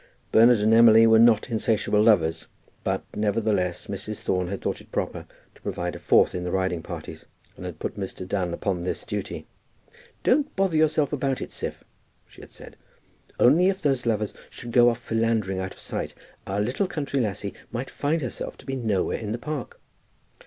Bernard and Emily were not insatiable lovers, but, nevertheless, Mrs. Thorne had thought it proper to provide a fourth in the riding parties, and had put Mr. Dunn upon this duty. "Don't bother yourself about it, Siph," she had said; "only if those lovers should go off philandering out of sight, our little country lassie might find herself to be nowhere in the Park."